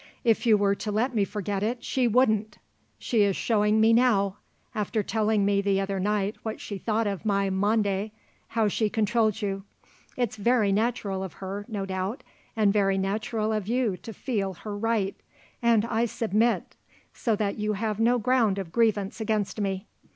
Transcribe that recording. If you were to let me forget it, she wouldn't. She is showing me now after telling me the other night what she thought of my monde how she controls you. It's very natural of her, no doubt, and very natural of you to feel her right; and I submit. So that you have no ground of grievance against me."